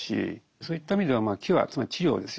そういった意味ではキュアつまり治療ですよね